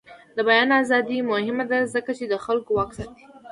د بیان ازادي مهمه ده ځکه چې د خلکو واک ساتي.